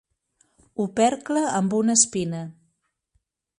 Opercle amb una espina.